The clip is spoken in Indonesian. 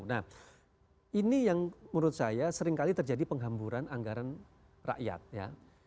nah ini yang menurut saya seringkali terjadi penghamburan anggaran rakyat ya